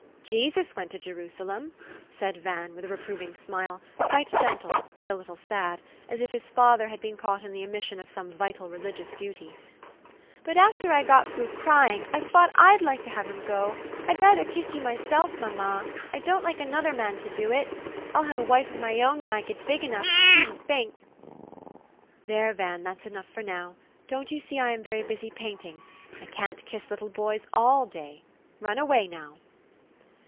"Jesus went to Jerusalem!" said Van with a reproving smile, quite gentle, and a little sad, as if his father had been caught in the omission of some vital religious duty. "But after I got frough cry ing, I fought I'd like to have him go. I'd rather kiss you myself, mamma. I don't like another man to do it. I'll have a wife of my own, when I get big enough he needn't fink !" "There, Van; that's enough for now. Don't you see I am very busy painting ? I can't kiss little boys all day. Run away now."